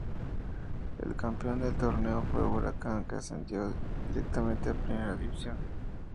El campeón del torneo fue Huracán, que ascendió directamente a Primera División.